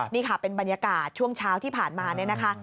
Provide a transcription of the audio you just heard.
นี่ค่ะเป็นบรรยากาศช่วงเช้าที่ผ่านมาเนี่ยนะคะ